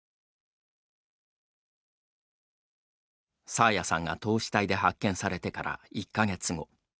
爽彩さんが凍死体で発見されてから１か月後。